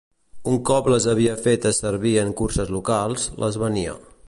Un cop les havia fetes servir en curses locals, les venia.